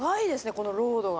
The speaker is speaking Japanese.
このロードが。